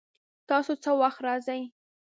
تاسو څه وخت راځئ؟